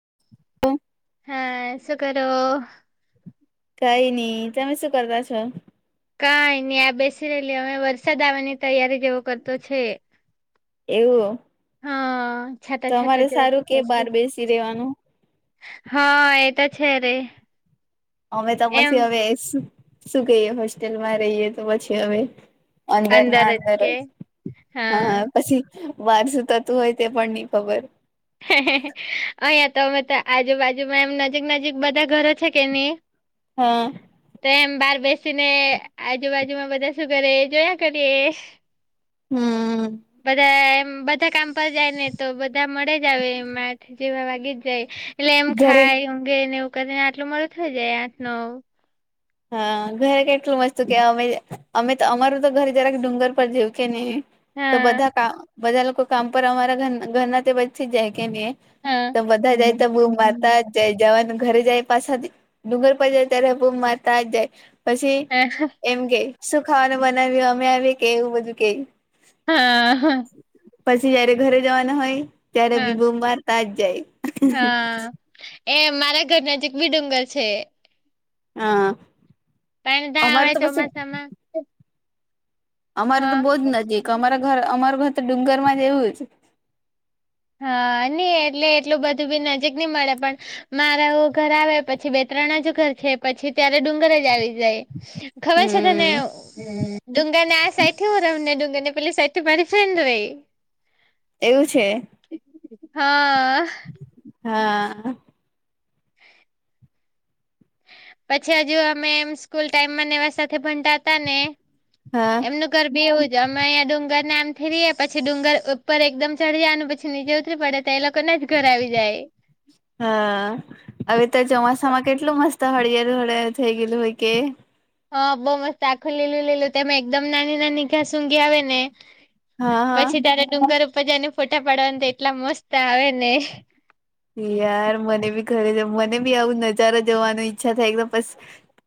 [inaudible] હાય, શું કરો? કઈ નહી, તમે શું કરતા છો? કાઈ ની આ બેસી રહેલી, હવે વરસાદ આવવાની તૈયારી જેવો કરતો છે. એવું. હા છાટા છાટા તમારે જેવા સારું કે કરતો છે બહાર બેસી રહેેવાનું. હા એ તો છે રે. અમે તો એમ પછી હવે શું કહીએ હોસ્ટેલમાં રહીએ તો પછી હવે. અંદર ના જ અંદર કે હા. પછી બાર સુતા તું હોય તે પણ નહી ખબર. અહં તોમે તો આજુબાજુમાં એમ નજીક નજીક બધા ઘરો છે ને કેની? હા તો એમ બહાર બેસી ને આજુબાજુમાં બધા શું કરે જોયા કરીએ. હમ! બધા એમ બધા કામ પર જાય ને તો બધા મળે જ આવે એમ જેવા વાગી જ જાય એટલે એમ ઘરે ખાય ઊંગે ને એવું ને આટલું મળું થઈ જાય આઠ ન હા ઘરે કેટલું મસ્ત કે અમે અમે તો અમારું તો ઘરે જરાક ડુંગર પર જેવું કે નને તો હા બધા ક બધા લોકો કામ પર અમારા ઘ ઘરના તે બચ જ જાય કેમ કે હા તો બધા જાય તો મુ માતા જાય જવાનું ઘરે જાય પાછાથી ડુંગર પ જાય ત્યારે માતા જ જાય. પછી એમ કે શું ખાવાનું બનાવ્યું અમે આવી કેવું બધું કે હા હા પછી જયારે ઘરે જવાનું હોય ત્યારે હા બી બોમ વારતા જ જાય. હા એ મારા ઘર નજીક બી ડુંગર છે. હા પધા [inaudible] અમારે આવે તો પછી ચોમાસામાં- અમાર તો બહુ હા જ નજીક અમારા ઘર અમારું ઘર તો ડુંગર માં જ એવું જવ હા નઈ એટલે એટલું બધું બી નજીક નહી મળે પણ મારા એવું ઘર આવે પછી બે ત્રણ જ ઘર છે પછી ત્યારે ડુંગર જ આવી જાય. ખબર છે તને? હમ ડુંગાને આ સાથી હો રમ ને ડુંગા ને પેલી સાથી મારી ફેડઈ એવું છે? હા હા પછી હજુ અમે એ સ્કૂલ ટાઈમ સાથે ભણતા હતા ને હા એમનું ડુંગર બેવું જ અમે અ્યાં ડુંગર નામ થી રએ પછી ડુંગર ઉપર એકદમ ચઢ જયાનું પછી નીચે ઉતરી પડે તો એ લોકોને જ ઘર આવી જાય. હ હવે તો ચોમાસામાં કેટલું મસ્ત હળિયાળુ હરિયાળ થઈ ગયેલું હોય કે? હા બહઉ મસ્ત આખું લીલું લીલું તમે એકદમ નાની નાની ઘાાસૂઘી આવે ને? હા હા પછી તારે ડુંગર ઉપર જને ફોટા પાડવાને તો એટલા મસ્ત આવે ને યાર મને બી ઘરે જ મને બી આવું નજારો જોવાની ઈચ્છા થાય, એકદમ બસ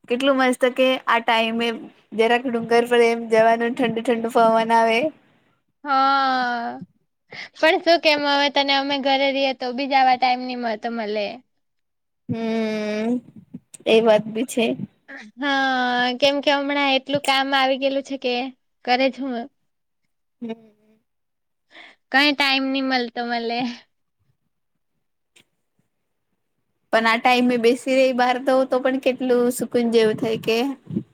કેટલું મસ્ત કે આ ટાઈમે જરાક ડુંગર પર એમ જવાનું ઠંડુ ઠંડુ પવન આવે. હા પણ શું કેમ હ તને અમે ઘરે રહીએ તો બી જવા ટાઈમ ની તો મળે. હમ એ વાત બી છે. હા કેમ કે હમણાં એટલું કામ આવી ગયેલું છે કે કરેજ હું હમ કઈ ટાઈમ નહી મળતો મને. પણ આ ટાઈમે બેસી રહી બહાર તો તો પણ કેટલું સુકુંન જેવું થાય કે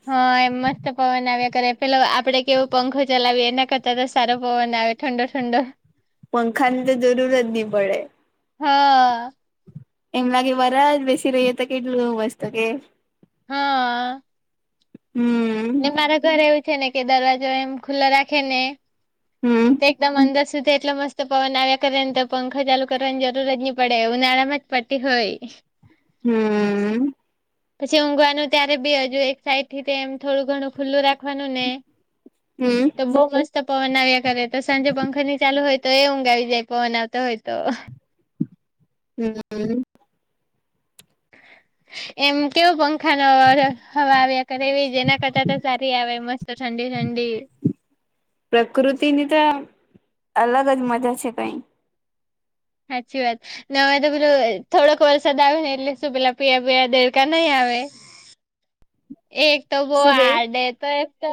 હા એમ મસ્ત પવન આવ્યા કરે પેલા આપડે કેવું પંખો ચલાવીએ એના કરતાં તો સારો પવન આવે. ઠંડો ઠંડો પંખા ની તો જરૂર જ નહી પડે. હા એમ લાગે વરા જ બેસી રહીએ તો કેટલું એવું વસતો કે. હા હમ ને મારા ઘરે એવું ને કે દરવાજો એમ ખુલ્લો રાખે ને હમ એકદમ અંદર સુધી એટલે મસ્ત તો પવન આવ્યા કરે ને તો પંખા ચાલુ કરવાની જરૂર જ નહી પડે ઉનાળામાં જ પ્ટી હોય. હમ્મ. પછી ઊંઘવાનું ત્યારે બી હજુ એક સાઈડ થી તેમ થોડું ઘણું ખુલ્લું રાખવાનું ને હમ તો બઉ મસ્ત પવન આવ્યા કરે તો સાંજે પંખા ની ચાલુ હોય. તો એ ઊંઘા વિ જાય પવન આવતો હોય તો. હમ્મ. [inaudible] એમ કેવું પંખા ન હવા આવ્યા કર એવી જેના કરતા તો સારી આવે મસ્ત ઠંડી ઠંડી. પ્રકૃતિની તો અલગ જ મજા છે કઈ. હાચી વાત. ન હવે તો પેલું થોડોક વરસાદ આવે ને એટલે શું પેલા પીયા પયા દેડકા નહીં આવે. એક તો બહ શું કઈ હડે તો એક તો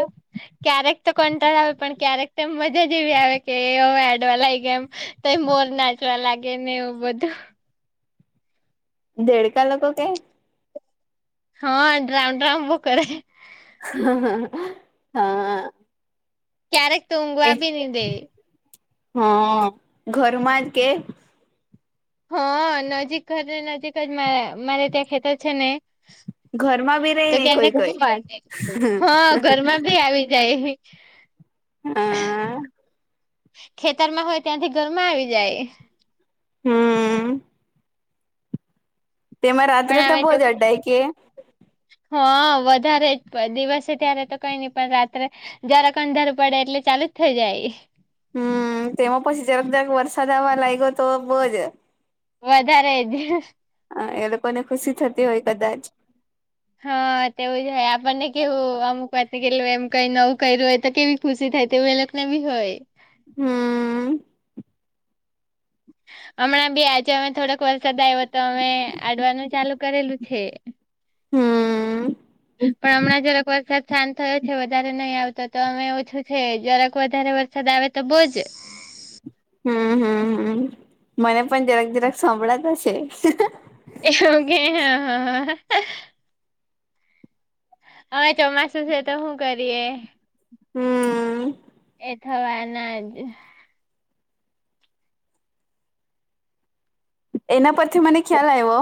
ક્યારેક તો કંટાળો આવે પણ ક્યારેક તો મજા જ એવી આવે કે એવે એડોલાઈ ગયા એમ. તો મોર નાચવા લાગે ને એવું બધું. દેડકા લોકો કે હા ડ્રામ ડ્રામ બો કરે. હા. ક્યારેક તો એ ઉંઘવા બી ની દે. હા ઘરમાં જ કે હા નજીક ઘર નજીક જ મા મારે ત્યાં ખેતર છે ને ઘરમાં બી રહી તો ને કે કોઈ કોઈ હા ઘરમાં ભી આવી જાય. હા. ખેતરમાં હોય ત્યાંથી ગરમાં આવી જાય. હમ્મ. તેમાં રાત્રે પણ તો હવે બહુ જ અડડાય કે હા વધારે જ દિવસે ત્યારે તો કઈ નહી પણ રાત્રે જરાક અંધારું પડે એટલે ચાલુ જ થઇ જાય. હમ તેમાં પછી જરાક જરાક વરસાદ આવવા લાગ્યો તો બઉજ વધારે જ હ એ લોકોને ખુશી થતી હોય કદાચ હા તેવું જ હોય આપણને કેવું અમુક વાત કેલું એમ કઈ નવું કર્યું હોય તો કેવી ખુસી થાય તેવુ એલોકો ને બીહોય હમ્મ. હમણાં બી આજે અમે થોડોક વરસાદ આવ્યો તો અમે અડવાનું ચાલુ કરેલું છે. હમ્મ. પણ હમણાં જરાક વરસાદ શાંત થયો છે વધારે નહીં આવતો તો અમે ઓછું છે જરાક વધારે વર સદ આવે તો બોજ હમ્મ હમ્મ હમ્મ મને પણ જરાક જરાક સંભળાતા છે. એવું કે હા. હવે ચોમાસું છે તો શું કરીએ? હમ્મ. એ થવાના જ. એના પરથી મને ખ્યાલ આવ્યો.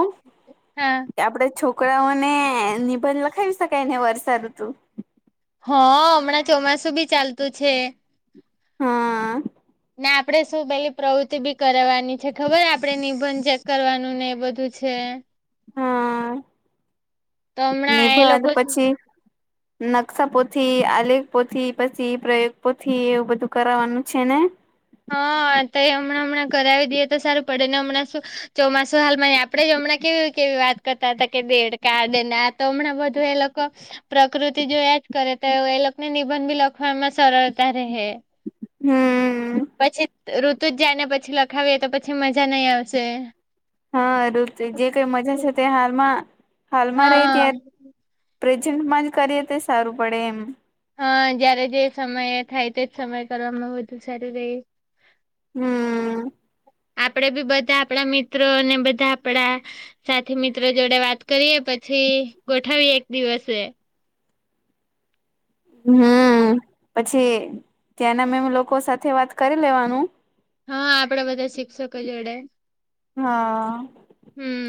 હા. આપડે છોકરાઓને નિબંધ લખાવી શકાય ને વર્ષાઋતુ? હ હમણાં ચોમાસું બી ચાલતું છે. હા. ને આપડે શું પેલી પ્રવૃતિ બી કરવાની છે ખબર આપણે નિબંધ ચેક કરવાનું ને એ બધું છે. હા તો હમણાં એ નિબંધ લોકો પછી. નકશા પોથી, આલેખ પોથી, પછી પ્રયોગ પોથી-એવું બધું કરાવાનું છે ને? હા, તો એ હમણાં હમણાં કરાવી દેએ તો સારું પડે ને? હમણાં શું ચોમાસું હાલમાં. આપણે હમણાં કેવી કેવી વાત કરતા હતા કે દેડ કાડે, ના તો હમણાં બધું એ લોકો? પ્રકૃતિ જો એજ કરે તો એ લોકોને નિબંધ બી લખવામાં સરળતા રહે. હમ. પછી ઋતુ જ જાયને, પછી લખાવીએ તો પછી મજા નહીં આવશે‌. હા, ઋત જે કંઈ મજા છે, તે હાલમાં હાલમાં રહી હા ત્યારે. પ્રેઝન્ટમાં જ કરીએ તો સારું પડે એમ. હા, જયારે જે સમય થાય, તેજ સમય કરવામાં વધુ સારું રહે. હમ. આપડે બી બધા આપણા મિત્રો અને બધા આપડા સાથી મિત્રો જોડે વાત કરીએ, પછી ગોઠવીએ એક દિવસે. હમ, પછી ત્યાંના મેમ લોકો સાથે વાત કરી લેવાનું. હા, આપડે બધા શિક્ષકો જોડે. હા,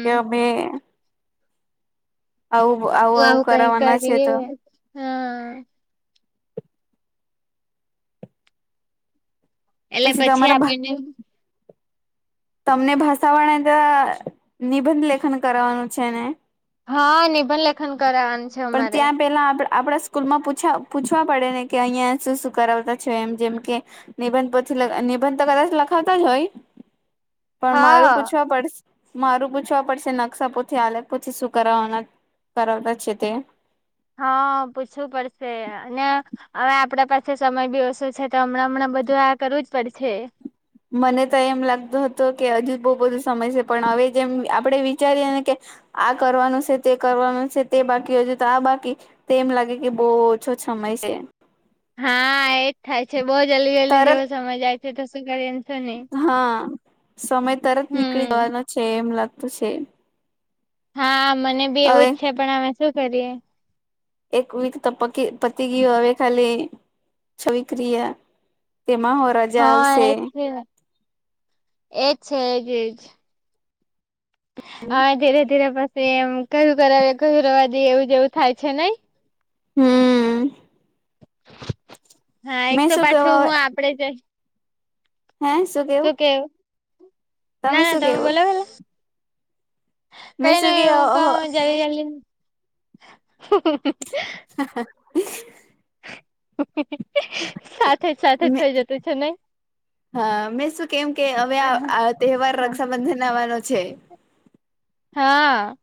કે અમે. આવું, હા. આવું કંઈક કંઈક કહે, હા. એટલે પછી આપણને. તમને ભાષાવાણ નિબંધ લેખન કરવાનું છે ને. હા, નિબંધ લેખન કરાવવાનું છે પણ અમારે. ત્યાં પેલા આપણા. આપણા સ્કૂલમાં પૂછા પૂછવા પડે નેકે અહીંયા શું શું કરાવતા છે, એમ જેમકે? નિબંધ પછી નિબંધ તો કદાચ લખાવતા જ હોય, પણ મારું હા પૂછવા પડશે. મારું પૂછવા પડશે, નકશાપોથી, આલેખ પછી શું કરાવવાના કરાવતા છે તે. હા, પૂછવું પડશે. અને હવે આપડા પાસે સમય બી ઓછો છે, તો હમણાં હમણાં બધું આ કરવું જ પડશે. મને તો એમ લાગતું હતો કે હજુ બહુ બધો સમય છે, પણ હવે જેમ આપડે વિચારી એને કે. આ કરવાનું છે, તે કરવાનું છે, તે બાકી હજુ તો આ બાકી. તો એમ લાગે કે, બહુ ઓછો સમય છે. હા, એજ થાય છે, બહુ જલ્દી જલ્દી તરત જેવો સમજાય છે તો શું કરી એમ છો નહીં. હા, સમય તરત નીકળી હમ જવાનો છે, એમ લાગતું છે. હા, મને બી એવું હવે જ છે, પણ અમે શું કરીએ. એક વીક તો પકી પતી ગયું, હવે ખાલી. છ વિક્રિયા તેમાં હોરા. હા, એજ છે, એ છે, એ જ, એજ. હવે ધીરે ધીરે પછી એમ કયું કરાવે કું રવા દેએ એવું જેવું થાય છે, નઈ? હમ. હા, એક મેં તો શું પાછું કેવા હું આપડે જઈ. હે શું કેવું? ના, ના, શું તમે કેવું બોલો, ભલો મેં કઈ ન, શું કે હું કેવુ્ જલ્દી જલ્દી. હ [unintelligible] હ, હ. [unintelligible] સાથે જ સાથે જ થઇ જતું છે, નહીં. હા, મેં શું કેમ કે હવે આ તહેવાર રક્ષાબંધનનો છે. હા.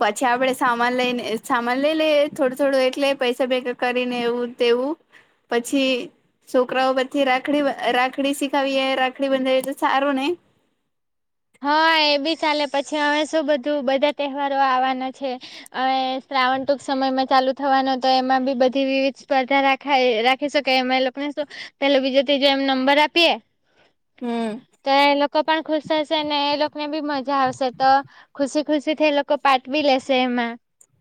પછી, આપડે સામાન લઈને, સામાન લઈ લઈએ થોડું થોડું એટલે પૈસા ભેગા કરીને એવું તેવું. પછી. છોકરાઓ પછી, રાખડી રાખડી શીખાવીએ, રાખડી બંધાવીએ તો સારો ને? હા, એ બી ચાલે, પછી અમે શું બધું બધા તહેવારો આવવાના છે. હવે શ્રાવણ ટૂંક સમયમાં ચાલુ થવાનો તો એમાં બી બધી વિવિધ સ્પર્ધા રાખવી. રેખાએ રાખી શકે એમાં એ લોકોને શું પેલું બીજો ત્રીજુ એમ નંબર આપીએ. હમ. તોએ લોકો પણ ખુશ થશેને એ લો કને બી મજા આવશે તો ખુશી ખુશીથી એ લોકો પાઠબી લેશે એમાં.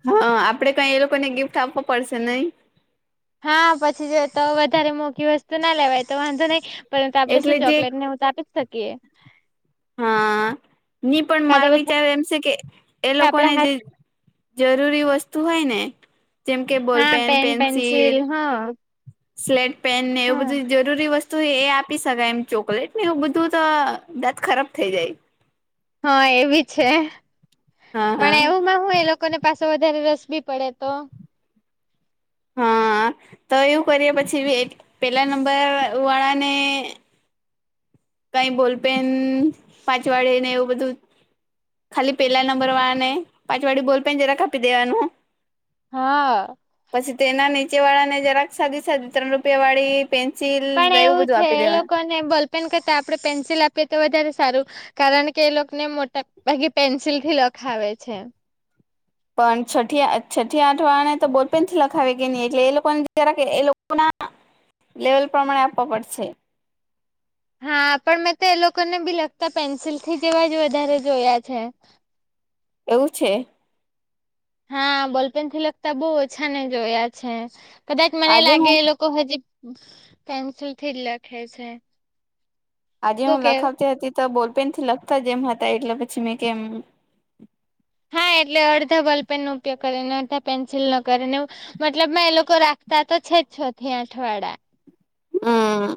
હા આપડે કંઈએ લોકોને ગિફ્ટ આપવો પડશે નહીં. હા પછી જોતો વધારે મોંઘી વસ્તુ ના લેવાયતો વાંધો નહીં. પરંતુ આપડે એટલે શું જે ચોકલેટને હું તો આપી જ શકીએ. હા ની પણ કા માર તો પછી વિચારે એમ છે કે એ આપડા લોકોને જે હાથ જરૂરી વસ્તુ હોય ને જેમ કે હા બોલપેન, પેન પેન્સિલ હા સ્લેટપેન ને એવું હા બધી જરૂરી વસ્તુ તોએ આપી શકાય એમ ચોકલેટને એવું બધું તો દાંત ખરાબ થઈ જાય. હા એવી છે હા પણ હા એવુંમાં હુંએ લોકો લોકોને પાસે વધારે રસભી પડે તો હા તો એવું કરીએ પછી એક પેલા નંબર વાળાને કંઈ બોલપેન પાંચવાળે ને એવું બધું ખાલી પેલા નંબર વાળાને પાંચવાળી બોલપેન જરાક આપી દેવાનું હા. પછી તેના નીચે વાળાને જરાક સાદી સાદી ત્રણ રૂપિયા વાળી પેન્સિલને એવું બધું આપી દેવાનું ને બોલપેન કરતા આપણે પેન્સિલ આપીએ તો વધારે સારું કારણ કે એ લોકોને મોટા ભાગે પેન્સિલથી લખાવે છે. પણ છથી છઠી આઠ વાળા ને તો બોલપેનથી લખાવે કે ની એટલે એ લોકોને જરાક એ લોકોના લેવલ પ્રમાણે આપવા પડશે. હા પણ મેં તો એ લોકોને બી લખતા પેન્સિલથી જેવા જ વધારે જોયા છે. એવું છે. હા બોલપેનથી લગતા બહુ ઓછા ને જોયા છે કદાચ મને આજે લાગે હું એ લો લોકો તો હજી પેન્સિલથી જ લખે છે. આજે હું કેવું લખાવતી હતી તો બોલપેનથી લખતા જેવા હતા એટલે પછી મેં કેમ હા એટલે અડધા બોલપેન નો ઉપયોગ કરે ને અડધા પેન્સિલનો કરે ને એવું મતલબમાં એ લોકો રાખતા તો છે જ છ થી આઠ વાડા હા.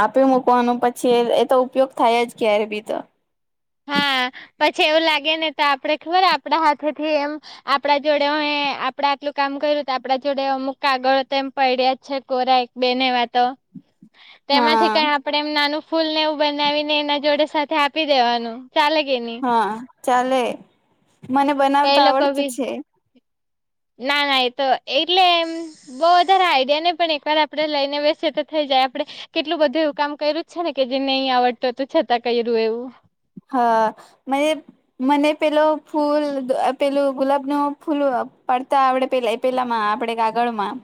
આપી મૂકવાનો પછી એ તો ઉપયોગ થાય જ ક્યારે બી તો હા પછી એવું લાગે ને તો આપડે ખબર આપડા હાથેથી એમ આપડા જોડે અહે આપડે આટલું કામ કર્યું તો આપડા જોડે અમુક કાગળ તો એમ પડ્યા જ છે કોરા બેને વાતો હમ તેમાંથી કઈ આપણેે એમ નાનું ફૂલ ને એવું બનાવીને એના જોડે સાથે આપી દેવાનું ચાલે કેે ની હા ચાલે મને તો એ બનાવતા લોકો આવડતું બી છે. ના ના એ તો એટલે એમ બઉ વધારે આઈડિયા નહી પણ એક વાર આપડે લઈને બેસી તો થઇ જાય આપડે કેટલું બધું એવું કામ કર્યું છે ને કે જે નહી આવડત તું છતાં કર્યું એવું હા મે એ મને પેલો ફૂલ પેલું ગુલાબનું ફૂલ પાડતા આવડે પેલા પેલામાં આપણેે કાગળમાં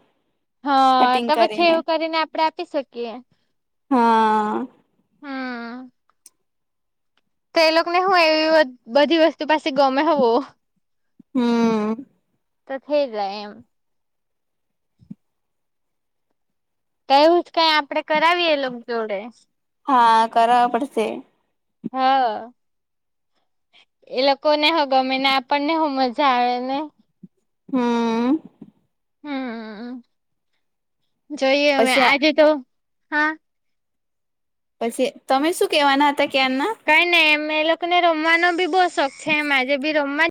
હા કટિંગ તો પછી કરીને એવું આપડે આપી શકીએ હા. હમ તો એ લોકોને હું એવી બધી વસ્તુ પાસે ગમે બો હમ્મ. તો થઈ જાય એમ તો એવું જ કઈ આપડે કરાવીએ એ લોકો જોડે હા કરાવા પડશે હા [inaudible] એ લોકોને હો ગમે ને આપણને હો મજા આવે ને હમમ હમ જોઈએ હવે પછી આજે તો હા પછી તમે શું કેવાના હતા ક્યારના કઈ નહી એમ એ લોકોને રમવાનો બી બહુ શોખ છે એમ આજે બી રમવા